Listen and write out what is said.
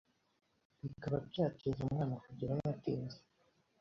bikaba byateza umwana kugerayo atinze